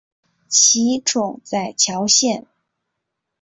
其冢在谯县。